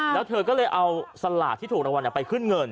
แล้วเธอก็เลยเอาสลากที่ถูกรางวัลไปขึ้นเงิน